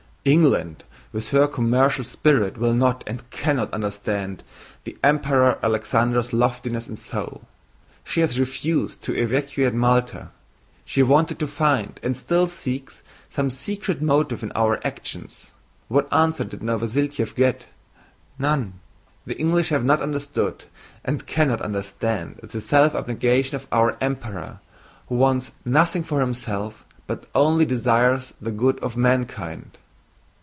England with her commercial spirit will not and cannot understand the Emperor Alexander's loftiness of soul. She has refused to evacuate Malta. She wanted to find, and still seeks, some secret motive in our actions. What answer did Novosíltsev get? None. The English have not understood and cannot understand the self abnegation of our Emperor who wants nothing for himself, but only desires the good of mankind.